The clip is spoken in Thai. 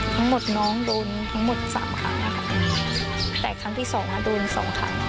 ทั้งหมดน้องโดนทั้งหมดสามครั้งแล้วครับแต่ครั้งที่สองอะโดนสองครั้ง